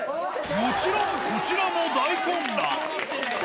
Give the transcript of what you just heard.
もちろん、こちらも大混乱。